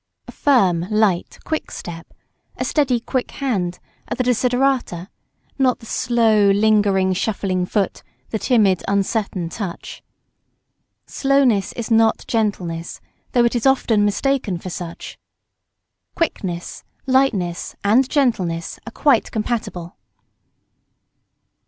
A firm light quick step, a steady quick hand are the desiderata; not the slow, lingering, shuffling foot, the timid, uncertain touch. Slowness is not gentleness, though it is often mistaken for such: quickness, lightness, and gentleness are quite compatible.